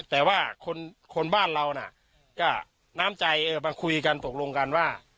แต่ว่าคนบ้านเราน่ะก็น้ำใจมาคุยกันตกลงกันว่า